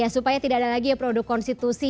supaya tidak ada lagi ya produk konstitusi